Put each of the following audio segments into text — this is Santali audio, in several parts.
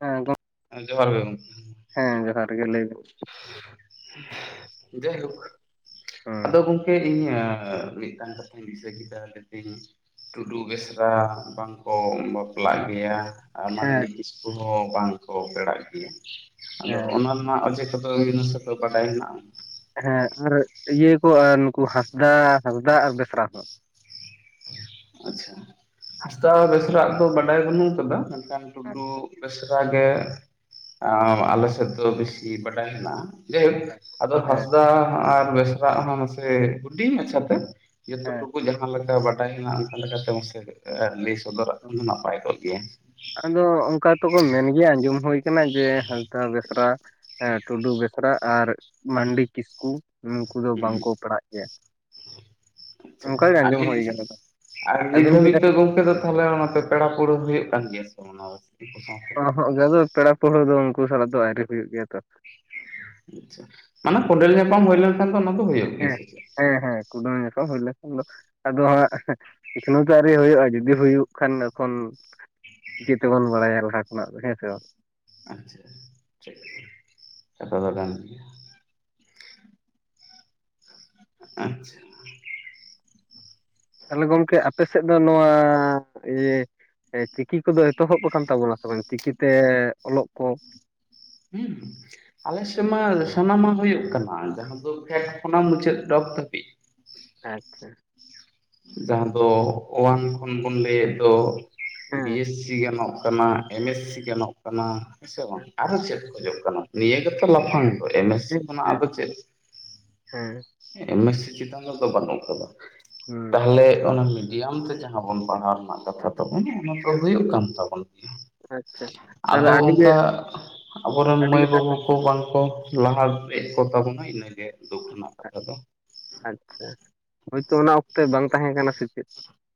ᱦᱮᱸ, ᱜᱚ [unintelligible] ᱦᱮᱸ, ᱡᱚᱦᱟᱨ ᱜᱮ ᱞᱟᱹᱭ [inaudible] [inaudible] ᱡᱟᱹᱭᱦᱳᱠ᱾ ᱦᱩᱸ ᱟᱫᱚ ᱜᱚᱝᱠᱮ ᱤᱧ ᱟ [inaudible] ᱴᱩᱰᱩ, ᱵᱮᱥᱨᱟ ᱵᱟᱝᱠᱚ ᱵᱟᱯᱞᱟᱜ ᱜᱮᱭᱟ᱾ ᱟ ᱦᱮᱸ ᱢᱟᱱᱰᱤ ᱠᱤᱥᱠᱩ ᱦᱚᱸ ᱵᱟᱝ ᱠᱚ ᱯᱮᱲᱟᱜ ᱜᱮᱭᱟ ᱟᱫᱚ ᱦᱮᱸ ᱚᱱᱟ ᱨᱮᱱᱟᱜ ᱚᱡᱮ [inaudible] ᱵᱟᱰᱟᱭ ᱦᱮᱱᱟᱜᱼᱟ᱾ ᱦᱮᱸ, ᱟᱨ ᱤᱭᱟᱹ ᱠᱚ ᱟ ᱱᱩᱠᱩ ᱦᱟᱸᱥᱫᱟᱼᱦᱟᱸᱥᱫᱟ ᱟᱨ ᱵᱮᱥᱨᱟ ᱠᱚ᱾ ᱟᱪᱪᱷᱟ ᱦᱟᱸᱥᱫᱟ ᱵᱮᱥᱨᱟ ᱟᱜ ᱫᱚ ᱵᱟᱰᱟᱭ ᱵᱟᱹᱱᱩᱜ ᱠᱟᱫᱟ ᱢᱮᱱᱠᱷᱟᱱ ᱦᱮᱸ ᱞᱩᱵᱩ ᱵᱮᱥᱨᱟ ᱜᱮ ᱟᱨ ᱟᱞᱮ ᱥᱮᱫ ᱫᱚ ᱵᱮᱥᱤ ᱵᱟᱰᱟᱭ ᱦᱮᱱᱟᱜᱼᱟ᱾ ᱡᱟᱹᱭᱦᱳᱠ ᱟᱫᱚ ᱦᱮᱸ ᱦᱟᱸᱥᱫᱟ ᱟᱨ ᱵᱮᱥᱨᱟ ᱟᱜ ᱦᱚᱸ ᱢᱟᱥᱮ ᱵᱩᱰᱤ ᱢᱟᱪᱷᱟᱛᱮ ᱱᱤᱛᱚ ᱦᱮᱸ ᱴᱩᱠᱩ ᱡᱟᱦᱟᱸ ᱞᱮᱠᱟ ᱵᱟᱰᱟᱭ ᱦᱮᱱᱟᱜ ᱟᱠᱟ ᱞᱮᱠᱟᱛᱮ [inaudible] ᱞᱟᱹᱭ ᱥᱚᱫᱚᱨᱟᱜ ᱠᱷᱟᱱ ᱫᱚ ᱱᱟᱯᱟᱭ ᱠᱚᱜ ᱜᱮᱭᱟ᱾ ᱟᱫᱚ ᱚᱱᱠᱟ ᱛᱚᱠᱚ ᱢᱮᱱ ᱜᱮᱭᱟ ᱟᱸᱡᱚᱢ ᱦᱩᱠᱟᱱᱟ ᱡᱮ ᱦᱟᱸᱥᱫᱟ ᱵᱮᱥᱨᱟ ᱮᱸ ᱴᱩᱰᱩ ᱵᱮᱥᱨᱟ ᱟᱨ ᱢᱟᱱᱰᱤ ᱠᱤᱥᱠᱩ ᱱᱩᱠᱩ ᱫᱚ ᱦᱩᱸ ᱵᱟᱝᱠᱚ ᱯᱮᱲᱦᱟᱜ ᱪᱮᱫ ᱪᱷᱟ ᱟᱨ [inaudible] ᱠᱤᱪᱷᱩ ᱱᱤ ᱟᱹᱵᱤᱱ ᱜᱮ ᱫᱷᱚᱵᱤᱡ ᱠᱟᱹᱴᱤᱡ ᱜᱚᱢᱠᱮ ᱛᱟᱦᱚᱞᱮ ᱚᱱᱟᱛᱮ ᱯᱮᱲᱟ ᱯᱟᱹᱲᱦᱟᱹ ᱦᱩᱭᱩᱜ ᱠᱟᱱ ᱜᱮᱭᱟ ᱥᱮ [inaudible] ᱱᱚᱜᱽ ᱜᱮᱵᱚ ᱯᱮᱲᱟ ᱯᱟᱹᱲᱦᱟᱹ ᱫᱚ ᱩᱱᱠᱩ ᱥᱟᱞᱟᱜ ᱫᱚ ᱟᱣᱨᱤ ᱦᱩᱭᱩᱜ ᱜᱮᱭᱟ ᱛᱚ᱾ ᱟᱪᱪᱷᱟ᱾ ᱢᱟᱱᱮ ᱠᱚᱸᱰᱮᱞ ᱧᱟᱯᱟᱢ ᱦᱩᱭ ᱞᱮᱱᱠᱷᱟᱱ ᱫᱚ ᱚᱱᱟ ᱫᱚ ᱦᱩᱭᱩᱜ ᱜᱮ ᱦᱮᱸ ᱥᱮ ᱪᱮᱫ? ᱦᱮᱸ ᱦᱮᱸ ᱠᱩᱸᱰᱮᱞ ᱧᱟᱯᱟᱢ ᱦᱩᱭ ᱞᱮᱱ ᱠᱷᱟᱱ ᱫᱚ ᱟᱫᱚ ᱦᱟᱸᱜ ᱮᱠᱷᱱᱟᱹ ᱜᱮ ᱟᱹᱣᱨᱤ ᱦᱩᱭᱩᱜᱼᱟ ᱡᱩᱫᱤ ᱦᱩᱭᱩᱜ ᱠᱷᱟᱱ ᱮᱠᱷᱚᱱ᱾ ᱪᱤᱠᱟᱹ ᱛᱮᱵᱚᱱ ᱵᱟᱲᱟᱭᱟ ᱞᱟᱦᱟ ᱠᱷᱚᱱᱟᱜ ᱫᱚ ᱦᱮᱸ ᱥᱮ ᱵᱟᱝ? ᱟᱪᱪᱷᱟ ᱪᱮ [inaudible] ᱟᱸᱪᱪᱷᱟ ᱛᱟᱦᱚᱞᱮ ᱜᱚᱝᱠᱮ ᱟᱯᱮ ᱥᱮᱫ ᱫᱚ ᱱᱚᱣᱟ ᱤᱭᱟᱹ ᱪᱤᱠᱤ ᱠᱚᱫᱚ ᱮᱛᱚᱦᱚᱵ ᱟᱠᱟᱱ ᱛᱟᱵᱚᱱᱟ ᱥᱮ ᱵᱟᱝ ᱪᱤᱠᱤ ᱛᱮ ᱚᱞᱚᱜ ᱠᱚ ᱦᱩᱸ ᱟᱞᱮ ᱥᱮᱱ ᱢᱟ ᱥᱟᱱᱟᱢᱟ ᱦᱩᱭᱩᱜ ᱠᱟᱱᱟ ᱡᱟᱦᱟᱸ ᱫᱚ ᱯᱷᱮᱰ ᱠᱷᱚᱱᱟᱝ ᱢᱩᱪᱟᱹᱫ ᱰᱚᱜ ᱫᱷᱟᱹᱵᱤᱡ ᱾ ᱟᱪᱪᱷᱟ ᱾ ᱡᱟᱦᱟᱸ ᱫᱚ ᱳᱣᱟᱱ ᱠᱷᱚᱱ ᱵᱚᱱ ᱞᱟᱹᱭᱮᱫ ᱫᱚ ᱾ ᱵᱤ ᱦᱮᱸ ᱮᱥ ᱥᱤ ᱜᱟᱱᱚᱜ ᱠᱟᱱᱟ ᱮᱢ ᱮᱥ ᱥᱤ ᱜᱟᱱᱚᱜ ᱠᱟᱱᱟ ᱾ ᱦᱮᱸ ᱥᱮ ᱵᱟᱝ ᱟᱨᱚ ᱪᱮᱫ ᱠᱷᱚᱡᱚᱜ ᱠᱟᱱᱟ ᱱᱤᱭᱟᱹ ᱜᱮᱛᱚ ᱞᱟᱯᱷᱟᱝ ᱫᱚ ᱮᱢ ᱮᱥ ᱥᱤ ᱦᱮᱸ ᱠᱷᱚᱱᱟᱜ ᱟᱫᱚ ᱪᱮᱫ? ᱦᱮᱸ ᱮᱢ ᱮᱥ ᱥᱤ ᱪᱮᱛᱟᱱ ᱫᱚ ᱵᱟᱱᱩᱜ [inaudible] ᱦᱩᱸ ᱾ ᱛᱟᱦᱚᱞᱮ ᱚᱱᱟ ᱢᱤᱰᱤᱭᱟᱢ ᱛᱮ ᱡᱟᱦᱟᱸ ᱵᱚᱱ ᱯᱟᱲᱦᱟᱣ ᱨᱮᱱᱟᱜ ᱠᱟᱛᱷᱟ ᱛᱟᱵᱚᱱᱟ ᱚᱱᱟ ᱫᱚ ᱦᱩᱭᱩᱜ ᱠᱟᱱ ᱛᱟᱵᱚᱱ ᱜᱮᱭᱟ ᱟᱪᱪᱷᱟ ᱛᱟᱦᱚᱞᱮ ᱟᱫᱚ ᱟᱹᱰᱤᱜᱮ ᱚᱱᱠᱟ ᱟᱵᱚ ᱨᱮᱱ ᱢᱟᱹᱭ ᱟᱹᱰᱤᱜᱮ ᱛᱟᱦᱚᱞᱮ ᱵᱟᱹᱵᱩ ᱠᱚ ᱵᱟᱝᱠᱚ ᱞᱟᱦᱟᱥᱮᱫ ᱠᱚ ᱛᱟᱵᱚᱱᱟ ᱤᱱᱟᱹᱜᱮ ᱫᱩᱠ ᱨᱮᱱᱟᱜ ᱠᱟᱛᱷᱟ ᱫᱚ ᱾ ᱟᱪᱪᱷᱟ ᱦᱳᱭᱛᱚ ᱚᱱᱟ ᱚᱠᱛᱮ ᱵᱟᱝ ᱛᱟᱦᱮᱸ ᱠᱟᱱᱟ ᱥᱮ ᱪᱮᱫ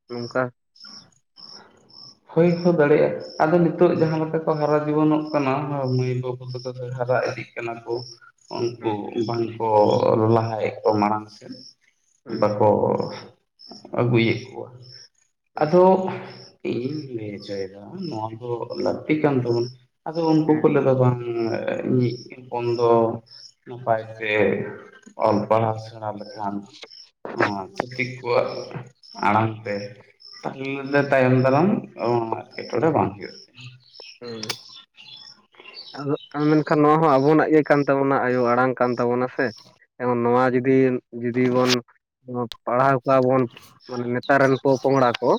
ᱱᱚᱝᱠᱟ ᱦᱳᱭ ᱦᱚᱸ ᱫᱟᱲᱮᱭᱟᱜᱼᱟ ᱟᱫᱚ ᱱᱤᱛᱚᱜ ᱡᱟᱦᱟᱸ ᱞᱮᱠᱟ ᱠᱚ ᱦᱟᱨᱟ ᱡᱩᱣᱟᱹᱱᱚᱜ ᱠᱟᱱᱟ ᱢᱟᱹᱭ ᱵᱟᱹᱵᱩ ᱛᱟᱠᱚ ᱦᱟᱨᱟ ᱤᱫᱤᱜ ᱠᱟᱱᱟ ᱾ ᱠᱟᱱᱟ ᱠᱚ ᱩᱱᱠᱩ ᱦᱩᱸ ᱵᱟᱝᱠᱚ ᱞᱟᱦᱟᱭᱮᱫ ᱠᱚ ᱢᱟᱲᱟᱝ ᱥᱮᱱ ᱾ ᱦᱩᱸ ᱵᱟᱠᱚ ᱟᱹᱜᱩᱭᱮᱫ ᱠᱚᱣᱟ ᱦᱩᱸ ᱟᱫᱚ ᱤᱧᱤᱧ ᱞᱟᱹᱭ ᱦᱚᱪᱚᱭᱮᱫᱟ ᱱᱚᱣᱟ ᱫᱚ ᱞᱟᱹᱠᱛᱤ ᱠᱟᱱ ᱛᱟᱵᱚᱱᱟ ᱟᱫᱚ ᱩᱱᱠᱩ ᱦᱮᱸ ᱠᱚ ᱞᱟᱹᱭ ᱫᱟ ᱵᱟᱝ ᱤᱧᱤᱪ ᱦᱚᱯᱚᱱ ᱫᱚ ᱱᱟᱯᱟᱭᱛᱮ ᱚᱞ ᱯᱟᱲᱦᱟᱣ ᱥᱮᱬᱟ ᱞᱮᱠᱷᱟᱱ ᱦᱚᱸᱪᱷᱟᱹᱛᱤᱠ ᱠᱚᱣᱟ ᱟᱲᱟᱝ ᱛᱮ ᱛᱟᱦᱞᱮ ᱫᱚ ᱛᱟᱭᱚᱢ ᱮᱵᱚᱨ ᱚ [unintelligible] ᱦᱚ ᱵᱟᱝ ᱦᱩᱭᱩᱜᱼ ᱟ ᱦᱩᱸ ᱟᱫᱚ ᱢᱮᱱ ᱠᱷᱟᱱ ᱱᱚᱣᱟ ᱦᱚᱸ ᱟᱵᱚᱱᱟᱜ ᱜᱮ ᱠᱟᱱ ᱛᱟᱵᱚᱱᱟ ᱟᱭᱳ ᱟᱲᱟᱝ ᱠᱟᱱ ᱛᱟᱵᱚᱱᱟ ᱥᱮ ᱮ ᱱᱚᱣᱟ ᱡᱩᱫᱤ ᱡᱩᱫᱤ ᱵᱚᱱ ᱯᱟᱲᱦᱟᱣ ᱠᱚᱣᱟ ᱵᱚᱱ ᱢᱟᱱᱮ ᱱᱮᱛᱟᱨ ᱨᱮᱱ ᱯᱚᱼᱯᱚᱝᱲᱟ ᱠᱚ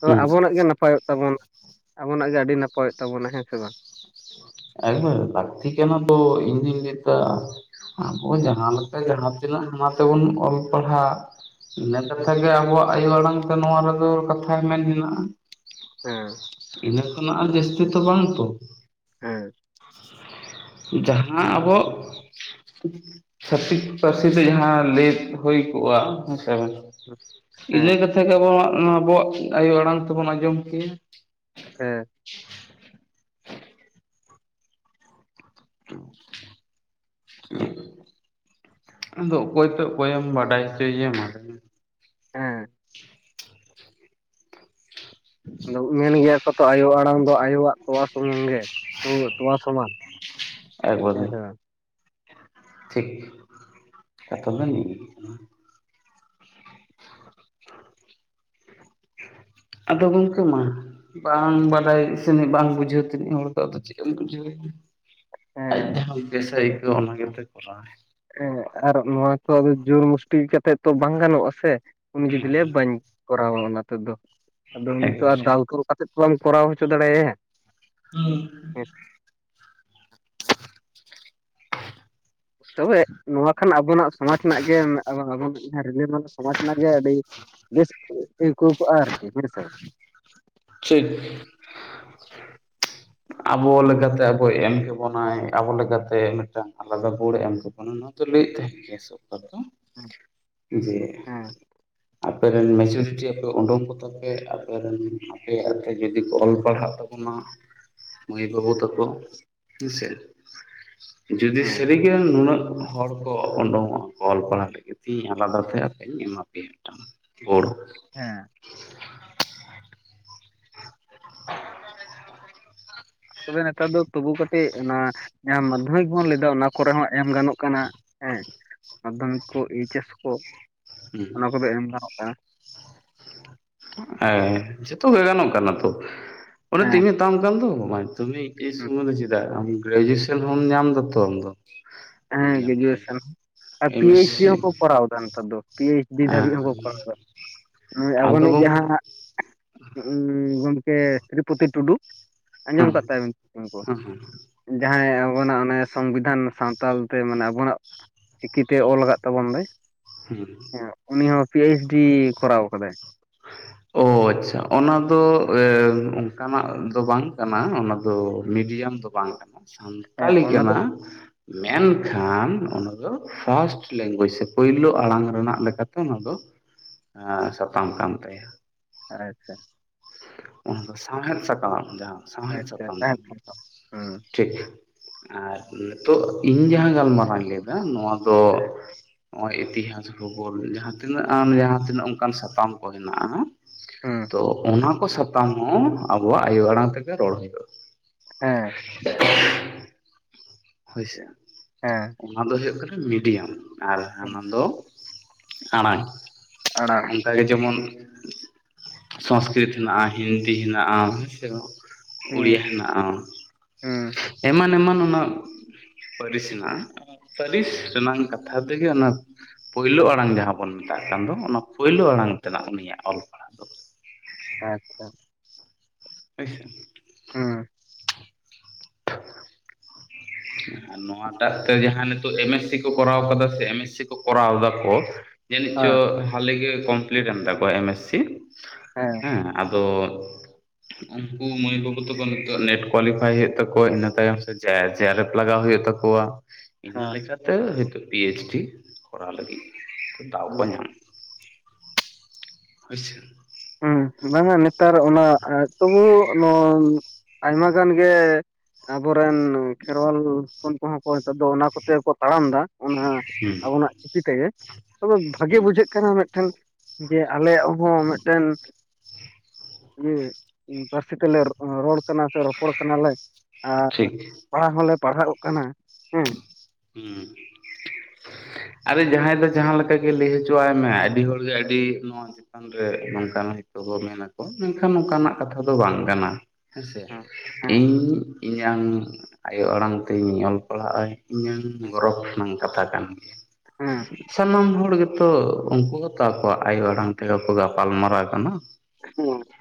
ᱛᱚ ᱛᱤᱧᱟ ᱦᱩᱸ ᱟᱵᱚᱱᱟᱜ ᱜᱮ ᱱᱟᱯᱟᱭᱚᱜ ᱛᱟᱵᱚᱱᱟ ᱾ ᱟᱵᱚᱱᱟᱜ ᱜᱮ ᱟᱹᱰᱤ ᱱᱟᱯᱟᱭᱚᱜ ᱛᱟᱵᱚᱱᱟ ᱦᱮᱸ ᱥᱮ ᱵᱟᱝ? ᱮᱠᱵᱟᱨ ᱞᱟᱹᱠᱛᱤ ᱠᱟᱱᱟ ᱛᱚ ᱤᱧ ᱫᱩᱧ ᱞᱟᱹᱭ ᱫᱟ ᱟᱵᱚ ᱡᱟᱦᱟᱸ ᱞᱮᱠᱟ ᱡᱟᱦᱟᱸᱛᱤᱱᱟᱹᱜ ᱚᱱᱟ ᱛᱮᱵᱚᱱ ᱚᱞ ᱯᱟᱲᱦᱟᱜ ᱤᱱᱟᱹ ᱠᱟᱛᱷᱟ ᱜᱮ ᱟᱵᱚᱣᱟᱜ ᱟᱭᱳ ᱟᱲᱟᱝ ᱛᱮ ᱱᱚᱣᱟ ᱨᱮᱫᱚ ᱠᱟᱛᱷᱟᱭ ᱢᱮᱱ ᱢᱮᱱᱟᱜᱼᱟ ᱦᱮᱸ ᱾ ᱤᱱᱟᱹ ᱠᱷᱱᱟᱜ ᱟᱨ ᱡᱟᱹᱥᱛᱤ ᱛᱚ ᱵᱟᱝ ᱛᱚ? ᱦᱮᱸ ᱾ ᱡᱟᱦᱟᱸ ᱟᱵᱚ ᱪᱷᱟᱹᱛᱤᱠ ᱯᱟᱹᱨᱥᱤ ᱛᱮ ᱡᱟᱦᱟᱸ ᱞᱟᱹᱭ ᱦᱩᱭ ᱠᱚᱜᱼᱟ ᱦᱮᱸ ᱥᱮ ᱤᱱᱟᱹ ᱦᱮᱸ ᱠᱟᱛᱷᱟ ᱜᱮ ᱟᱵᱚ ᱟᱵᱚᱣᱟᱜ ᱟᱭᱳ ᱟᱲᱟᱝ ᱛᱮᱵᱚᱱ ᱟᱸᱡᱚᱢ ᱠᱮᱭᱟ ᱾ ᱦᱮᱸ᱾ ᱦ [unintelligible] ᱟᱫᱚ ᱚᱠᱚᱭ ᱛᱚ ᱚᱠᱚᱭᱮᱢ ᱵᱟᱰᱟᱭ ᱦᱚᱪᱚᱭᱮᱭᱟ ᱢᱟᱛᱟᱦᱚᱞᱮ ᱦᱮᱸ᱾ ᱟᱫᱚ ᱢᱮᱱ ᱜᱮᱭᱟ ᱠᱚ ᱛᱚ ᱟᱭᱳ ᱟᱲᱟᱝ ᱫᱚ ᱟᱭᱳᱣᱟᱜ ᱛᱚᱣᱟ ᱥᱩᱢᱩᱝ ᱜᱮ ᱛᱚ ᱛᱚᱣᱟ ᱥᱚᱢᱟᱱ᱾ ᱮᱠᱵᱟᱨᱮ ᱦᱮᱸ ᱾ ᱥᱮ ᱵᱟᱝ ᱴᱷᱤᱠ ᱠᱟᱛᱷᱟ ᱫᱚ ᱱᱤᱭᱟᱹ ᱠᱟᱱᱟ ᱾ ᱟᱫᱚ ᱜᱚᱝᱠᱮ ᱢᱟ ᱵᱟᱝ ᱵᱟᱰᱟᱭ ᱥᱮᱱᱤᱡ ᱵᱟᱝ ᱵᱩᱡᱷᱟᱹᱣ ᱛᱤᱱᱟᱹᱜ ᱦᱚᱲ ᱫᱚ ᱟᱫᱚ ᱪᱮᱫ ᱮᱢ ᱵᱩᱡᱷᱟᱹᱣ ᱮᱭᱟ ᱾ ᱟᱡ ᱦᱮᱸ ᱡᱟᱦᱟᱸ ᱵᱮᱥ ᱮ ᱟᱹᱭᱠᱟᱹᱜᱣᱼᱟ ᱚᱱᱟ ᱜᱮᱛ ᱠᱚᱨᱟᱣᱟᱭ ᱦᱮᱸ ᱟᱨ ᱱᱚᱣᱟ ᱠᱚ ᱡᱳᱨ ᱢᱩᱥᱴᱤ ᱠᱟᱛᱮᱜ ᱛᱚ ᱵᱟᱝ ᱜᱟᱱᱚᱜᱼᱟ ᱥᱮ ᱩᱱᱤ ᱡᱩᱫᱤ ᱞᱮᱭ ᱵᱟᱹᱧ ᱠᱚᱨᱟᱣᱟ ᱚᱱᱟ ᱛᱚ ᱟᱫᱚ ᱱᱤᱛᱚᱜ ᱮᱠᱵᱟᱨᱮ ᱫᱟᱞ ᱛᱚᱞ ᱠᱟᱛᱮᱫ ᱵᱟᱢ ᱠᱚᱨᱟᱣ ᱦᱚᱪᱚ ᱫᱟᱲᱮᱭᱟᱭᱟ ᱾ ᱦᱩᱸ᱾ ᱛᱚᱵᱮ ᱱᱚᱣᱟ ᱠᱷᱟᱱ ᱟᱵᱚᱱᱟᱜ ᱥᱚᱢᱟᱡ ᱨᱮᱱᱟᱜ ᱜᱮ ᱟᱞᱟᱫᱟ ᱵᱚᱱ ᱨᱤᱞᱟ ᱢᱟᱞᱟ ᱥᱚᱢᱟᱡᱽ ᱨᱮᱱᱟᱜ ᱜᱮ ᱟᱹᱰᱤ ᱵᱮᱥ ᱟᱹᱭᱠᱟᱣ ᱠᱚᱼᱟ ᱟᱨᱠᱤ ᱦᱮᱸ ᱥᱮ ᱵᱟᱝ ᱴᱷᱤᱠ ᱾ [inaudible] ᱟᱵᱚ ᱞᱮᱠᱟᱛᱮ ᱟᱵᱚᱭ ᱮᱢ ᱠᱮᱵᱚᱱᱟᱭ ᱟᱵᱚ ᱞᱮᱠᱟᱛᱮ ᱢᱤᱫᱴᱟᱝ ᱟᱞᱟᱫᱟ ᱵᱳᱲ ᱮᱢ ᱡᱚᱠᱷᱚᱱ ᱦᱚᱸ ᱱᱚᱣᱟ ᱫᱚ ᱞᱟᱹᱭᱮᱫ ᱛᱟᱦᱮᱸ ᱜᱮᱭᱟ ᱥᱚᱨᱠᱟᱨ ᱫᱚ [inaudible] ᱡᱮ ᱦᱮᱸ ᱟᱯᱮᱨᱮᱱ ᱢᱮᱡᱚᱨᱤᱴᱤ ᱟᱯᱮ ᱩᱰᱩᱝ ᱠᱚ ᱛᱟᱯᱮ ᱟᱯᱮᱨᱮ ᱟᱯᱮᱭᱟᱜᱛᱮ ᱡᱩᱫᱤ ᱠᱚ ᱚᱞ ᱯᱟᱲᱦᱟᱜ ᱛᱟᱵᱚᱱᱟ ᱢᱟᱹᱭ ᱵᱟᱹᱵᱩ ᱛᱟᱠᱚ ᱦᱮᱸ ᱦᱮᱸᱥᱮ ᱡᱩᱫᱤ ᱦᱮᱸ ᱥᱟᱹᱨᱤᱜᱮ ᱱᱩᱱᱟᱹᱜ ᱦᱚᱲ ᱠᱚ ᱩᱰᱩᱝᱚᱜᱼᱟ ᱠᱚ ᱚᱞ ᱯᱟᱲᱦᱟᱜ ᱞᱟᱹᱜᱤᱫ ᱛᱮ ᱤᱧ ᱟᱞᱟᱫᱟ ᱛᱮ ᱟᱯᱮᱧ ᱮᱢᱟ ᱯᱮᱭᱟ [unintelligible] ᱴᱟ ᱚᱲ [unintelligible] ᱦᱮᱸ [inaudible] ᱛᱚᱵᱮ ᱱᱮᱛᱟᱨ ᱫᱚ ᱛᱚᱵᱩ ᱠᱟᱹᱴᱤᱡ ᱚᱱᱟ ᱡᱟᱦᱟᱸ ᱢᱟᱫᱽᱫᱷᱚᱢᱤᱠ ᱵᱚᱱ ᱞᱟᱹᱭᱫᱟ ᱚᱱᱟ ᱠᱚᱨᱮ ᱦᱚᱸ ᱮᱢ ᱜᱟᱱᱚᱜ ᱠᱟᱱᱟ ᱦᱮᱸ ᱢᱟᱫᱽᱫᱷᱚᱢᱤᱠ ᱠᱚ ᱮᱭᱤᱪᱮᱥ ᱠᱚ ᱦᱮᱸ ᱚᱱᱟ ᱠᱚᱫᱚ ᱮᱢ ᱜᱟᱱᱚᱜ ᱠᱟᱱᱟ ᱦᱮᱸ ᱡᱚᱛᱚ ᱜᱮ ᱜᱟᱱᱚᱜ ᱠᱟᱱᱟ ᱛᱚ ᱚᱱᱮ ᱛᱚᱧ ᱦᱮᱸ ᱢᱮᱛᱟᱢ ᱠᱟᱱ ᱫᱚ [unintelligible] ᱥᱩᱚᱢᱚᱭ ᱫᱚ ᱪᱮᱫᱟᱜ ᱜᱨᱡᱩᱭᱮᱥᱚᱱ ᱦᱢ ᱧᱟᱢ ᱫᱟᱛᱚ ᱟᱢ ᱫᱚ ᱦᱮᱸ ᱢᱤᱰᱤᱭᱟᱢ ᱛᱮ ᱜᱮᱡᱩᱭᱮᱥᱮᱱ ᱟᱨ P M S H D C ᱦᱚᱸᱠᱚ ᱠᱚᱨᱟᱣ ᱫᱟ ᱱᱮᱛᱟᱨ ᱫᱚ ᱯᱤ ᱮᱭᱤᱪ ᱰᱤ ᱫᱷᱟᱹᱵᱤᱡ ᱦᱚᱸᱠᱚ ᱠᱚᱨᱟᱣ ᱫᱟ ᱱᱚ ᱚᱭ ᱟᱵᱚ ᱟᱫᱚ ᱱᱤᱛ ᱜᱚᱝ ᱡᱟᱦᱟᱸ ᱩᱹᱢᱻ ᱜᱚᱢᱠᱮ ᱛᱨᱤᱯᱚᱛᱤ ᱴᱩᱰᱩ ᱟᱸᱡᱚᱢ ᱦᱮᱸ ᱟᱠᱟᱫ [unintelligible] ᱛᱟᱭᱟ ᱠᱚ ᱦᱮᱸ ᱡᱟᱦᱟᱸᱭ ᱟᱵᱚ ᱱᱟᱜ ᱚᱱᱮ ᱥᱚᱝᱵᱤᱫᱷᱟᱱ ᱥᱟᱶᱛᱟ ᱛᱟᱞᱛᱮ ᱢᱟᱱᱮ ᱟᱵᱚᱱᱟᱜ ᱪᱤᱠᱤᱛᱮ ᱚᱞ ᱟᱠᱟᱫ ᱛᱟᱵᱚᱱ ᱫᱚᱭ ᱦᱩᱸ ᱦᱮᱸ ᱩᱱᱤ ᱦᱚᱸ ᱯᱤ ᱮᱪ ᱰᱤ ᱠᱚᱨᱟᱣ ᱟᱠᱟᱫᱟᱭ᱾ ᱚᱦᱳᱡ ᱟᱪᱷᱟ ᱚᱱᱟ ᱫᱚ ᱚᱱᱠᱟᱱᱟᱜ ᱫᱚ ᱵᱟᱝ ᱠᱟᱱᱟ᱾ ᱚᱱᱟ ᱫᱚ ᱢᱤᱰᱤᱭᱟᱢ ᱫᱚ ᱵᱟᱝ ᱠᱟᱱᱟ᱾ ᱦᱮᱸ ᱥᱟᱱᱛᱟᱞᱤ ᱚᱱᱟ ᱫᱚ ᱠᱟᱱᱟ ᱢᱮᱱᱠᱷᱟᱱ ᱚᱱᱟ ᱫᱚ ᱯᱷᱟᱥᱴ ᱞᱮᱝᱜᱩᱭᱮᱡᱽ ᱥᱮ ᱯᱳᱭᱞᱳ ᱟᱲᱟᱝ ᱨᱮᱱᱟᱜ ᱞᱮᱠᱟᱛᱮ ᱱᱚᱣᱟ ᱫᱚ ᱟᱸ ᱥᱟᱛᱟᱢ ᱠᱟᱱ ᱛᱟᱭᱟ᱾ ᱟᱪᱷᱟ ᱚᱱᱟ ᱫᱚ ᱥᱟᱶᱦᱮᱫ ᱥᱟᱠᱟᱢ ᱡᱟᱦᱟᱸ ᱥᱟᱶᱦᱮᱫ ᱟᱪᱪᱷᱟ ᱥᱟᱠᱟᱢ ᱛᱟᱦᱮᱸ ᱠᱟᱱ ᱛᱟᱢᱟ ᱦᱩᱸ ᱴᱷᱤᱠ ᱟᱨ ᱱᱤᱛᱚᱜ ᱤᱧ ᱡᱟᱦᱟᱸ ᱜᱟᱞᱢᱟᱨᱟᱣ ᱤᱧ ᱞᱟᱹᱭᱫᱟ ᱱᱚᱣᱟ ᱫᱚ ᱱᱚᱜᱼᱚᱭ ᱤᱛᱤᱦᱟᱥ ᱵᱷᱩᱜᱚᱞ ᱡᱟᱦᱟᱸ ᱛᱤᱱᱟᱹᱜ ᱟᱢ ᱡᱟᱦᱟᱸ ᱛᱤᱱᱟᱹᱜ ᱚᱱᱠᱟᱱ ᱥᱟᱛᱟᱢ ᱠᱚ ᱦᱮᱱᱟᱜᱼᱟ᱾ ᱦᱩᱸ ᱛᱚ ᱚᱱᱟ ᱠᱚ ᱥᱟᱛᱟᱢ ᱦᱚᱸ ᱟᱵᱚᱣᱟ᱾ᱜ ᱟᱭᱳ ᱟᱲᱟᱝ ᱛᱮᱜᱮ ᱨᱚᱲ ᱦᱩᱭᱩᱜᱼᱟ ᱦᱮᱸ ᱦᱳᱭᱥᱮ, ᱦᱮᱸ ᱚᱱᱟ ᱫᱚ ᱦᱩᱭᱩᱜ ᱠᱟᱱᱟ ᱢᱤᱰᱤᱭᱟᱢ ᱟᱨ ᱦᱟᱱᱟ ᱫᱚ ᱟᱸᱲᱟᱝ ᱟᱲᱟᱝ ᱚᱱᱠᱟᱜ ᱜᱮ ᱡᱮᱢᱚᱱ ᱥᱚᱝᱥᱠᱨᱤᱛ ᱦᱮᱱᱟᱜᱼᱟ, ᱦᱤᱱᱫᱤ ᱦᱮᱱᱟᱜᱼᱟ, ᱦᱮᱥᱮ ᱩᱲᱤᱭᱟᱹ ᱦᱩᱸ ᱦᱮᱱᱟᱜᱼᱟ᱾ ᱦᱩᱸ ᱮᱢᱟᱱ ᱮᱢᱟᱱ ᱚᱱᱟ ᱯᱟᱹᱨᱤᱥ ᱦᱮᱱᱟᱜᱼᱟ᱾ ᱯᱟᱹᱨᱤᱥ ᱨᱮᱱᱟᱜ ᱠᱟᱛᱷᱟ ᱛᱮᱜᱮ ᱚᱱᱟ ᱯᱳᱭᱞᱳ ᱟᱲᱟᱝ ᱡᱟᱦᱟᱸ ᱵᱚᱱ ᱢᱮᱛᱟᱜ ᱠᱟᱱ ᱫᱚ ᱚᱱᱟ ᱯᱳᱭᱞᱳ ᱟᱲᱟᱝ ᱛᱮᱱᱟᱜ ᱩᱱᱤᱭᱟᱜ ᱚᱞ ᱯᱟᱲᱦᱟᱜ ᱫᱚ ᱠᱟᱱᱟ᱾ ᱦᱮᱛᱚ ᱦᱳᱭ ᱥᱮ ᱦᱩᱸ [inaudible] ᱱᱚᱣᱟᱴᱟᱜ ᱛᱮ ᱡᱟᱦᱟᱸ ᱱᱤᱛᱚᱜ ᱮᱢᱮᱥ ᱥᱤ ᱠᱚ ᱠᱚᱨᱟᱣ ᱠᱟᱫᱟ ᱥᱮ ᱮᱢᱮᱥᱤ ᱠᱚ ᱠᱚᱨᱟᱣ ᱫᱟ ᱠᱚ ᱡᱟᱹᱱᱤᱡ ᱪᱚ ᱦᱮᱸ ᱦᱟᱞᱮ ᱜᱮ ᱠᱚᱢᱯᱞᱤᱴ ᱮᱱ ᱛᱟᱠᱚᱣᱟ ᱮᱢᱮᱥ ᱥᱤ᱾ ᱦᱮᱸ ᱛᱚ ᱩᱱᱠᱩ ᱢᱟᱹᱭ ᱵᱟᱹᱵᱩ ᱛᱟᱠᱚ ᱱᱤᱛᱚᱜ ᱱᱮᱴ ᱠᱚᱣᱟᱞᱤᱯᱟᱭ ᱦᱩᱭᱩᱜ ᱛᱟᱠᱚᱣᱟ ᱤᱱᱟᱹ ᱛᱟᱭᱚᱢ ᱥᱮ ᱪᱮᱫᱽ ᱡᱮᱭᱟᱨᱮᱯ ᱞᱟᱜᱟᱣ ᱦᱩᱭᱩᱜ ᱛᱟᱠᱚᱣᱟ᱾ ᱤᱱᱟᱹ ᱦᱮᱸ ᱞᱮᱠᱟᱛᱮ ᱦᱤᱛᱚᱜ ᱯᱤ ᱮᱭᱤᱪ ᱰᱤ ᱠᱚᱨᱟᱣ ᱞᱟᱹᱜᱤᱫ ᱫᱟᱣ ᱦᱩᱸ ᱠᱚ ᱧᱟᱢ ᱦᱪᱭ ᱥᱮ ᱦᱩᱸ ᱵᱟᱝᱟ ᱱᱮᱛᱟᱨ ᱚᱱᱟ ᱛᱚᱵᱩ ᱱᱚᱣᱟ ᱟᱭᱢᱟ ᱜᱟᱱ ᱜᱮ ᱟᱵᱚᱨᱮᱱ ᱠᱷᱮᱨᱣᱟᱞ ᱦᱚᱯᱚᱱ ᱠᱚᱦᱚᱸ ᱠᱚ ᱱᱮᱛᱟᱨ ᱫᱚ ᱚᱱᱟ ᱠᱚᱛᱮ ᱠᱚ ᱛᱟᱲᱟᱢ ᱮᱫᱟ ᱚᱱᱟ ᱦᱩᱸ ᱟᱵᱚᱱᱟᱜ ᱪᱤᱠᱤ ᱛᱮᱜᱮ ᱛᱚᱵᱮ ᱵᱷᱟᱜᱮ ᱦᱩᱸ ᱵᱩᱡᱷᱟᱹᱜ ᱠᱟᱱᱟ ᱢᱤᱫᱴᱮᱱ ᱡᱮ ᱟᱞᱮᱭᱟᱜ ᱦᱚᱸ ᱢᱤᱫᱴᱮᱱ ᱤᱭᱟᱹ ᱯᱟᱹᱨᱥᱤ ᱛᱮᱞᱮ ᱨᱚᱲ ᱨᱚᱲ ᱠᱟᱱᱟ ᱥᱮ ᱨᱚᱯᱚᱲ ᱠᱟᱱᱟᱞᱮ ᱟᱨ ᱴᱷᱤᱠ ᱯᱟᱲᱦᱟᱜ ᱦᱚᱸᱞᱮ ᱯᱟᱲᱦᱟᱜᱚᱜ ᱠᱟᱱᱟ ᱦᱮᱸ ᱦᱩᱸ ᱟᱨᱮ ᱡᱟᱦᱟᱸᱭ ᱫᱚ ᱡᱟᱦᱟᱸ ᱞᱮᱠᱟ ᱜᱮ ᱞᱟᱹᱭ ᱦᱚᱪᱚᱣᱟᱭ ᱢᱮ ᱟᱹᱰᱤ ᱦᱚᱲᱜᱮ ᱟᱹᱰᱤ ᱱᱚᱣᱟ ᱪᱮᱛᱟᱱ ᱨᱮ ᱱᱚᱝᱠᱟ ᱦᱚᱭᱛᱚ ᱢᱮᱱᱟᱠᱚ ᱢᱮᱱᱠᱷᱟᱱ ᱦᱮᱸ ᱱᱚᱝᱠᱟᱱᱟᱜ ᱠᱟᱛᱷᱟ ᱫᱚ ᱵᱟᱝ ᱠᱟᱱᱟ ᱦᱮᱸᱥᱮ ᱦᱮᱸ ᱤᱧ ᱤᱧᱟᱝ ᱟᱭᱳ ᱟᱲᱟᱝ ᱛᱤᱧ ᱚᱞ ᱯᱟᱲᱦᱟᱜᱼᱟ ᱤᱧᱟᱝ ᱦᱮᱸ ᱜᱚᱨᱚᱵᱽ ᱨᱮᱱᱟᱜ ᱠᱟᱛᱷᱟ ᱠᱟᱱ ᱜᱮᱭᱟ ᱦᱮᱸ ᱥᱟᱱᱟᱢ ᱦᱚᱲ ᱜᱮ ᱛᱚ ᱩᱱᱠᱩ ᱦᱚᱸᱛᱚ ᱟᱠᱚᱣᱟᱜ ᱟᱭᱳ ᱟᱲᱟᱝ ᱛᱮᱜᱮ ᱠᱚ ᱜᱟᱯᱟᱞ ᱢᱟᱨᱟᱟᱣ ᱠᱟᱱᱟ [unintelligible]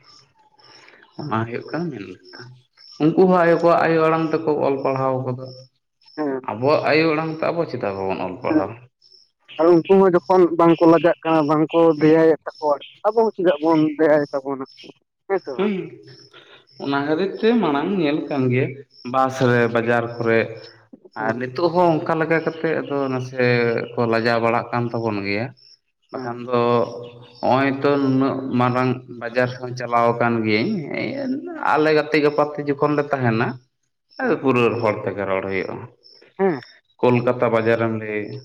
ᱚᱱᱟ ᱦᱩᱭᱩᱜ ᱠᱟᱱᱟ ᱢᱮᱱ ᱠᱟᱛᱷᱟ ᱩᱱᱠᱩ ᱦᱚᱸ ᱟᱭᱚ ᱠᱚᱣᱟᱜ ᱟᱭᱳ ᱟᱲᱟᱝ ᱛᱮᱠᱚ ᱚᱞ ᱯᱟᱲᱦᱟᱣ ᱠᱟᱫᱟ ᱦᱮᱸ ᱟᱵᱚᱣᱟᱜ ᱟᱭᱳ ᱟᱲᱟᱝ ᱛᱮ ᱟᱵᱚ ᱪᱮᱫᱟᱜ ᱵᱟᱵᱚᱱ ᱚᱞ ᱦᱮᱸ ᱯᱟᱲᱦᱟᱣᱟ ᱟᱨ ᱩᱱᱠᱩ ᱦᱚᱸ ᱡᱚᱠᱷᱚᱱ ᱵᱟᱝᱠᱚ ᱞᱟᱡᱟᱜ ᱠᱟᱱᱟ ᱵᱟᱝᱠᱚ ᱫᱮᱭᱟᱭᱮᱫ ᱛᱟᱠᱚᱣᱟ ᱟᱵᱚ ᱦᱚᱸ ᱪᱮᱫᱟᱜ ᱵᱚᱱ ᱫᱮᱭᱟᱭ ᱛᱟᱵᱚᱱᱟ ᱥᱮ ᱦᱮᱸ ᱵᱟᱝ ᱚᱱᱟ ᱦᱟᱹᱛᱤᱨ ᱛᱮ ᱢᱟᱲᱟᱝ ᱧᱮᱞ ᱠᱟᱱ ᱜᱮᱭᱟ ᱵᱟᱥ ᱨᱮ ᱵᱟᱡᱟᱨ ᱠᱚᱨᱮ ᱟᱨ ᱱᱤᱛᱚᱜ ᱱᱤᱛᱚᱜ ᱦᱚᱸ ᱚᱱᱠᱟ ᱞᱮᱠᱟ ᱠᱟᱛᱮᱜ ᱟᱫᱚ ᱱᱟᱥᱮ ᱠᱚ ᱞᱟᱡᱟᱣ ᱵᱟᱲᱟᱜ ᱠᱟᱱ ᱛᱟᱵᱚᱱ ᱜᱮᱭᱟ ᱵᱟᱠᱷᱟᱱ ᱦᱮᱸ ᱫᱚ ᱦᱚᱜᱼᱚᱭ ᱛᱚ ᱱᱩᱱᱟᱹᱜ ᱢᱟᱨᱟᱝ ᱵᱟᱡᱟᱨ ᱦᱚᱸ ᱪᱟᱞᱟᱜ ᱪᱟᱞᱟᱣ ᱠᱟᱱ ᱜᱤᱭᱟᱹᱧ ᱟᱞᱮ ᱦᱮᱸ ᱜᱟᱛᱮᱜ ᱜᱟᱯᱟᱛᱮ ᱡᱚᱠᱷᱚᱱ ᱞᱮ ᱛᱟᱦᱮᱱᱟ ᱦᱮᱸ ᱯᱩᱨᱟᱹ ᱦᱚᱲ ᱛᱮᱜᱮ ᱨᱚᱲ ᱦᱩᱭᱩᱜᱼᱟ ᱦᱮᱸ ᱠᱳᱞᱠᱟᱛᱟ ᱵᱟᱡᱟᱨᱮᱢ ᱞᱟᱹᱭᱮᱜᱼᱟ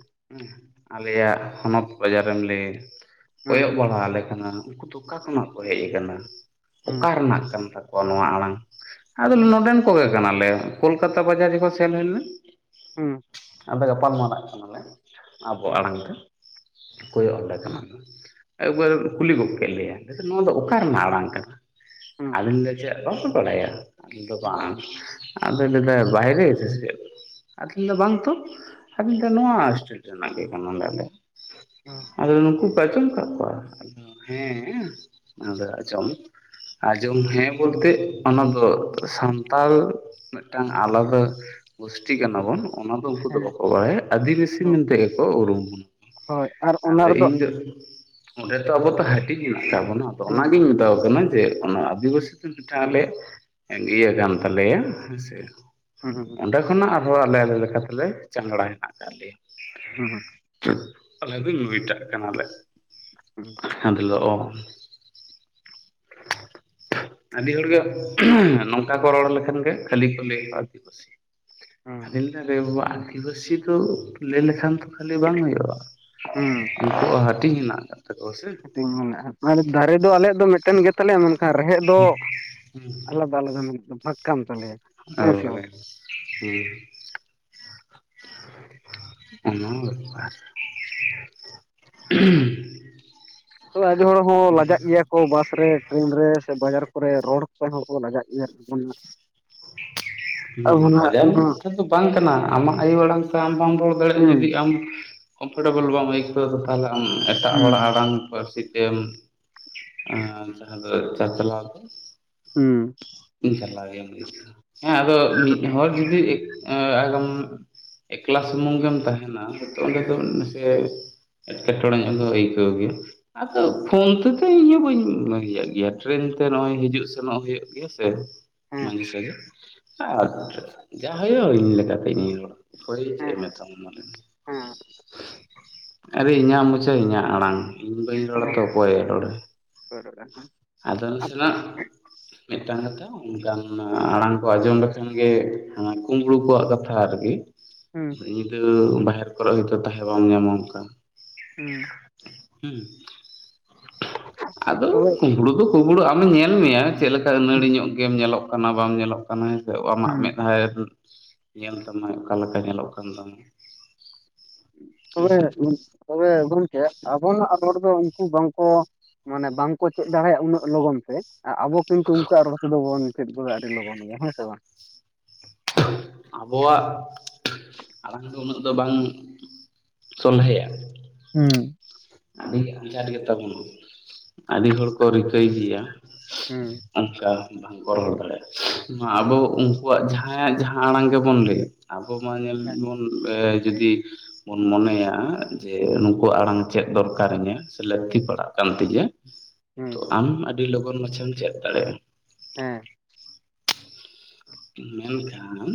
ᱟᱞᱮᱭᱟᱜ ᱦᱚᱱᱚᱛ ᱵᱟᱡᱟᱨᱮᱢ ᱞᱟᱹᱭ ᱦᱮᱸ ᱠᱚᱭᱚᱜ ᱵᱟᱲᱟ ᱟᱞᱮ ᱠᱟᱱᱟ ᱩᱱᱠᱩ ᱫᱚ ᱚᱠᱟ ᱠᱷᱚᱱᱟᱜ ᱠᱚ ᱦᱮᱡ ᱟᱠᱟᱱᱟ ᱦᱮᱸ ᱚᱠᱟ ᱨᱮᱱᱟᱜ ᱠᱟᱱ ᱛᱟᱠᱚᱣᱟ ᱱᱚᱣᱟ ᱟᱲᱟᱝ, ᱟᱫᱚ ᱦᱮᱸ ᱱᱚᱰᱮᱱ ᱠᱚᱜᱮ ᱠᱟᱱᱟᱞᱮ ᱠᱳᱞᱠᱟᱛᱟ ᱵᱟᱡᱟᱨ ᱡᱚᱠᱷᱚᱱ ᱥᱮᱱ ᱦᱩᱭᱞᱮᱱ ᱦᱩᱸ ᱟᱫᱚ ᱜᱟᱯᱟᱞ ᱢᱟᱨᱟᱜ ᱠᱟᱱᱟᱞᱮ ᱟᱵᱚ ᱦᱮᱸ ᱟᱲᱟᱝ ᱛᱮ ᱠᱚᱭᱚᱜ ᱟᱞᱮ ᱠᱟᱱᱟ ᱠᱚ ᱮᱠᱵᱟᱨᱮ ᱠᱩᱞᱤ ᱜᱚᱫ ᱠᱮᱫ ᱞᱮᱭᱟ, ᱞᱟᱹᱭᱫᱟ ᱱᱚᱣᱟ ᱫᱚ ᱚᱠᱟ ᱨᱮᱱᱟᱜ ᱟᱲᱟᱝ ᱠᱟᱱᱟ [inaudible] ᱪᱮᱫ ᱵᱟᱠᱚ ᱵᱟᱲᱟᱭᱟ ᱟᱫᱚ [inaudible] ᱦᱮᱸ ᱵᱟᱝ ᱟᱫᱚᱞ ᱫᱚ ᱵᱟᱭᱨᱮ ᱥᱮᱪᱮᱫ ᱟᱫᱚᱭ ᱞᱟᱹᱭᱫᱟ ᱵᱟᱝ ᱛᱚ, ᱟᱫᱚᱧ ‌ᱞᱟᱹᱭᱫᱟ ᱱᱚᱣᱟ ᱦᱳᱥᱴᱮᱞ ᱨᱮᱱᱟᱜ ᱜᱮ ᱠᱟᱱᱟᱞᱮ ᱟᱞᱮ ᱦᱮᱸ ᱟᱫᱚ ᱱᱩᱠᱩ ᱠᱚ ᱟᱸᱡᱚᱢ ᱠᱟᱫ ᱠᱚᱣᱟ ᱦᱮᱸ ᱟᱫᱚ ᱟᱸᱡᱚᱢ ᱟᱸᱡᱚᱢ ᱦᱮᱸ ᱵᱚᱞᱛᱮ ᱚᱱᱟ ᱫᱚ ᱥᱟᱱᱛᱟᱲ ᱢᱤᱫᱴᱟᱝ ᱟᱞᱟᱫᱟ ᱜᱩᱥᱴᱤ ᱠᱟᱱᱟ ᱵᱚᱱ ᱚᱱᱟ ᱫᱚ ᱩᱱᱠᱩ ᱫᱚ ᱦᱮᱸ ᱦᱮᱸ ᱵᱟᱠᱚ ᱵᱟᱲᱟᱭᱟ ᱟᱫᱤᱵᱟᱥᱤ ᱢᱮᱱᱛᱮ ᱜᱮᱠᱚ ᱩᱨᱩᱢ ᱵᱚᱱᱟ ᱦᱳᱭ ᱟᱨ ᱚᱱᱟ ᱟᱫᱚ ᱨᱮᱫᱚ ᱤᱧ ᱫᱚ ᱚᱸᱰᱮ ᱛᱚ ᱟᱵᱚ ᱛᱚ ᱦᱟᱹᱴᱤᱧ ᱢᱮᱱᱟᱜ ᱟᱠᱟᱫ ᱛᱟᱵᱚᱱᱟ ᱟᱫᱚ ᱦᱮᱸ ᱚᱱᱟᱜᱤᱧ ᱢᱮᱛᱟᱠᱚ ᱠᱟᱱᱟ ᱦᱳᱭᱳᱜ ᱠᱟᱱᱟ ᱟᱫᱤᱵᱟᱥᱤ ᱫᱚ ᱢᱤᱫᱴᱟᱝ ᱟᱞᱮᱭᱟᱜ ᱤᱭᱟᱹ ᱠᱟᱱ ᱛᱟᱞᱮᱭᱟ ᱦᱮᱸᱥᱮ ᱦᱩᱸ ᱦᱩᱸ ᱚᱱᱰᱮ ᱠᱷᱚᱱᱟᱜ ᱟᱨᱦᱚᱸ ᱟᱞᱮ ᱛᱮᱞᱮ ᱪᱟᱝᱲᱟ ᱢᱮᱱᱟᱜ ᱠᱟᱜ ᱞᱮᱭᱟ᱾ ᱦᱩᱸ ᱦᱩᱸ ᱟᱞᱮ ᱫᱚ ᱱᱩᱭᱴᱟᱜ ᱠᱟᱱᱟᱞᱮ ᱟᱫᱚᱭ ᱞᱟᱹᱭᱫᱟ ᱚ [unintelligible] ᱟᱹᱰᱤ ᱦᱚᱲᱜᱮ ᱱᱚᱝᱠᱟ [unintelligible] ᱠᱚ ᱨᱚᱲ ᱞᱮᱠᱷᱟᱱ ᱜᱮ ᱠᱷᱟᱹᱞᱤ ᱠᱚ ᱞᱟᱹᱭᱟ ᱫᱤᱵᱟᱹᱥᱤ ᱦᱩᱸ ᱟᱫᱚᱧ ᱜᱟᱹᱭᱫᱟ ᱟᱨᱮ ᱵᱟᱵᱟ ᱟᱹᱫᱤᱵᱟᱹᱥᱤ ᱫᱚ ᱩᱰᱩᱠ ᱞᱮᱱᱠᱷᱟᱱ ᱠᱚ ᱠᱷᱟᱹᱞᱤ ᱵᱟᱝ ᱦᱩᱭᱩᱜᱼᱟ ᱦᱩᱸ ᱩᱱᱠᱩ ᱦᱟᱹᱴᱤᱧ ᱦᱮᱱᱟᱜ ᱟᱠᱟᱫ ᱛᱟᱠᱚᱣᱟ ᱥᱮ ᱦᱟᱴᱤᱧ ᱢᱮᱱᱟᱜᱼᱟ ᱫᱟᱨᱮ ᱫᱚ ᱟᱞᱮ ᱫᱚ ᱢᱤᱫᱴᱮᱱ ᱜᱮᱛᱟᱞᱮᱭᱟ ᱨᱮᱦᱮᱫ ᱫᱚ ᱟᱞᱟᱫᱟ ᱟᱞᱟᱫᱟ ᱢᱮᱱᱟᱜ [inaudible] ᱦᱮᱸ ᱥᱮ ᱵᱟᱝ ᱦᱳᱭ, ᱦᱮᱸ ᱚᱱᱟ ᱵᱮᱯᱟᱨ ᱛᱚ ᱟᱹᱰᱤ ᱦᱚᱲ ᱦᱚᱸ ᱞᱟᱡᱟᱜ ᱜᱮᱭᱟ ᱠᱚ ᱵᱟᱥ ᱨᱮ ᱴᱮᱨᱮᱱ ᱨᱮ ᱥᱮ ᱵᱟᱡᱟᱨ ᱠᱚᱨᱮ ᱨᱚᱲ ᱠᱚ ᱦᱚᱸ ᱠᱚ ᱞᱟᱡᱟᱜ ᱜᱮᱭᱟ᱾ [unintelligible] ᱦᱮᱸ ᱟᱵᱚᱱᱟᱜ ᱞᱟᱡᱟᱣ ᱱᱚᱣᱟ ᱠᱷᱟᱱ ᱫᱚ ᱵᱟᱝ ᱠᱟᱱᱟ ᱟᱢᱟᱜ ᱟᱭᱳ ᱟᱲᱟᱝ ᱛᱮ ᱟᱢ ᱵᱟᱢ ᱨᱚᱲ ᱫᱟᱲᱮᱭᱟᱜᱼᱟ ᱡᱩᱫᱤ ᱦᱩᱸ ᱟᱢ᱾ ᱠᱚᱢᱯᱷᱚᱴᱮᱵᱚᱞ ᱵᱟᱢ ᱟᱹᱭᱠᱟᱹ ᱛᱟᱦᱚᱞᱮ ᱟᱢ ᱮᱴᱟᱜ ᱦᱩᱸ ᱦᱚᱲᱟᱜ ᱟᱲᱟᱝ ᱯᱟᱹᱨᱥᱤ ᱛᱮᱢ᱾ ᱦᱟ ᱡᱟᱦᱟ ᱫᱚ ᱪᱟᱪᱞᱟᱣ ᱛᱮ᱾ ᱦᱩᱸ [unintelligible] ᱦᱮᱸ ᱟᱫᱚ ᱢᱤᱫ ᱦᱚᱲ ᱡᱩᱫᱤ ᱟᱜᱚᱢ ᱮᱠᱞᱟ ᱥᱩᱢᱩᱝ ᱜᱮᱢ ᱛᱟᱦᱮᱱᱟ ᱚᱸᱰᱮ ᱫᱚ ᱱᱟᱥᱮ᱾ ᱮᱴᱠᱮᱴᱚᱬᱮ ᱧᱚᱜ ᱫᱚ ᱟᱹᱭᱠᱟᱹᱣ ᱜᱮᱭᱟ ᱟᱫᱚ ᱯᱷᱳᱱ ᱛᱮᱫᱚ ᱤᱧ ᱦᱚᱸ ᱵᱟᱹᱧ ᱢᱤᱭᱟᱜ ᱜᱮᱭᱟ ᱴᱨᱮᱹᱱ ᱛᱮ ᱱᱚᱜᱚᱭ ᱦᱤᱡᱩᱜ ᱥᱮᱱᱚᱜ ᱦᱩᱭᱩᱜ ᱜᱮᱭᱟ ᱥᱮ ᱦᱮᱸ ᱢᱟᱺᱡᱷᱤ ᱥᱟᱡᱤ ᱟᱪᱪᱷᱟ ᱡᱟ ᱦᱩᱭᱩᱜᱳ ᱤᱧ ᱞᱮᱠᱟᱛᱮᱧ ᱨᱚᱲ-ᱟ ᱦᱳᱭ ᱪᱮᱫ ᱮ ᱦᱮᱸ ᱢᱮᱛᱟᱢ? ᱦᱮᱸ ᱟᱨᱮ ᱤᱧᱟᱹᱜ ᱢᱚᱪᱟ ᱤᱧᱟᱹᱜ ᱟᱲᱟᱝ ᱤᱧ ᱵᱟᱹᱧ ᱨᱚᱲᱟ ᱦᱮᱸ ᱛᱚ ᱚᱠᱚᱭ ᱭᱮ ᱨᱚᱲᱟ ᱵᱟᱨᱚᱴᱟ ᱠᱷᱟᱱ ᱟᱫᱚ ᱱᱟᱥᱮᱱᱟᱜ ᱢᱤᱫ ᱴᱟᱝ ᱠᱟᱛᱷᱟ ᱚᱱᱠᱟᱱ ᱟᱲᱟᱝ᱾ ᱟᱸᱡᱚᱢ ᱞᱮᱠᱷᱟᱱ ᱜᱮ ᱦᱮᱸ ᱠᱩᱵᱽᱲᱩ ᱠᱚᱣᱟᱜ ᱠᱟᱛᱷᱟ ᱟᱨᱠᱤ ᱦᱩᱸ᱾ ᱧᱤᱫᱟᱹ ᱵᱟᱦᱮᱨ ᱠᱚᱨᱮ ᱦᱚᱭ ᱛᱚ ᱛᱟᱦᱮᱸ ᱵᱟᱢ ᱧᱟᱢᱟ ᱚᱱᱠᱟ᱾ ᱦᱩᱸ ᱦᱩᱸ᱾ ᱟᱫᱚ ᱛᱚᱵᱮ ᱠᱩᱢᱵᱽᱲᱩ ᱫᱚ ᱠᱩᱸᱵᱽᱲᱩ ᱟᱢᱮ ᱧᱮᱞ ᱢᱮᱭᱟ ᱪᱮᱫ ᱞᱮᱠᱟ ᱟᱹᱱᱟᱹᱲᱤ ᱦᱩᱸ ᱧᱚᱜ ᱜᱮᱢ ᱧᱮᱞᱚᱜ ᱠᱟᱱᱟ ᱵᱟᱢ ᱧᱮᱞᱚᱜ ᱠᱟᱱᱟ ᱡᱮ ᱟᱢᱟᱜ ᱢᱮᱫ ᱦᱟᱭ ᱧᱮᱞ ᱛᱟᱢᱟᱭ ᱚᱠᱟ ᱞᱮᱠᱟ ᱧᱮᱞᱚᱜ ᱠᱟᱱ ᱛᱟᱢᱟ᱾ ᱛᱚᱵᱮ ᱦᱮᱸᱥᱮ ᱛᱚᱵᱮ ᱜᱚᱢᱠᱮ ᱟᱵᱚᱱᱟᱜ ᱨᱚᱲ ᱫᱚ ᱩᱱᱠᱩ ᱵᱟᱝᱜ ᱠᱚ ᱢᱟᱱᱮ ᱵᱟᱝᱠᱚ ᱪᱮᱫ ᱫᱟᱲᱮᱭᱟᱜᱼᱟ ᱩᱱᱟᱹᱜ ᱞᱚᱜᱚᱱ ᱛᱮ ᱟᱵᱚ ᱠᱤᱱᱛᱩ ᱩᱱᱠᱩᱣᱟᱜ ᱨᱚᱲ ᱛᱮᱫᱚ ᱵᱚᱱ ᱪᱮᱫ ᱜᱚᱫᱟ ᱟᱹᱰᱤ ᱞᱚᱜᱚᱱ ᱜᱮᱭᱟ ᱦᱮᱸ ᱥᱮ ᱵᱟᱝ ᱟᱵᱚᱣᱟᱜ ᱟᱲᱟᱝ ᱫᱚ ᱩᱱᱟᱹᱜ ᱫᱚ ᱵᱟᱝ ᱥᱚᱞᱦᱮᱭᱟ᱾ ᱦᱩᱸ᱾ ᱟᱹᱰᱤ ᱟᱸᱡᱷᱟᱴ ᱜᱮ ᱛᱟᱵᱚᱱᱟ ᱟᱹᱰᱤ ᱦᱚᱲ ᱠᱚ ᱨᱤᱠᱟᱹᱭ ᱜᱮᱭᱟ᱾ ᱦᱩᱸ᱾ ᱚᱱᱠᱟ ᱵᱟᱝᱠᱚ ᱨᱚᱦᱚᱲ ᱫᱟᱲᱮᱭᱟᱜᱼᱟ ᱱᱚᱶᱟ ᱟᱵᱚ ᱩᱱᱠᱩᱣᱟᱜ ᱡᱟᱦᱟᱸᱭᱟᱜ ᱡᱟᱦᱟᱸ ᱟᱲᱟᱝ ᱜᱮᱵᱚᱱ ᱞᱟᱹᱭ᱾ ᱟᱵᱚ ᱢᱟ ᱧᱮᱞ ᱦᱮᱸ ᱵᱚᱱ ᱡᱩᱫᱤ ᱵᱚᱱ ᱢᱚᱱᱮᱭᱟ ᱡᱮ ᱱᱩᱠᱩᱣᱟᱜ ᱟᱲᱟᱝ ᱪᱮᱫ ᱫᱚᱨᱠᱟᱨ ᱤᱧᱟᱹᱜ ᱥᱮ ᱞᱟᱹᱠᱛᱤ ᱯᱟᱲᱟᱜ ᱠᱟᱱ ᱛᱤᱧᱟᱹ ᱛᱚ ᱦᱩᱸ ᱟᱢ ᱟᱹᱰᱤ ᱞᱚᱜᱚᱱ ᱢᱟᱪᱷᱟᱢ ᱪᱮᱫ ᱫᱟᱲᱮᱭᱟᱜᱼᱟ᱾ ᱦᱮᱸ᱾ ᱢᱮᱱ ᱠᱷᱟᱱ